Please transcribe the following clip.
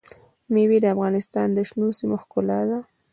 مېوې د افغانستان د شنو سیمو ښکلا ده.